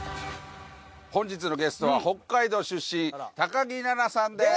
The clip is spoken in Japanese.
本日のゲストは北海道出身木菜那さんです。